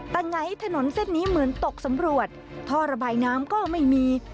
แต่ไงถนนเส้นนี้เหมือนตกสำรวจท่อระบายน้ำก็ไม่มี